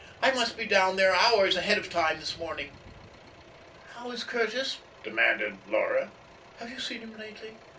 "I must be down there hours ahead of time this morning." "How is Curtis?" demanded Laura. "Have you seen him lately?